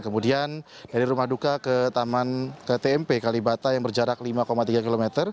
kemudian dari rumah duka ke taman tmp kalibata yang berjarak lima tiga km